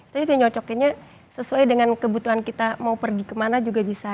tapi yang nyocokinnya sesuai dengan kebutuhan kita mau pergi kemana juga bisa